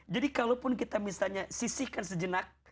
jadi kalaupun kita misalnya sisihkan sejenak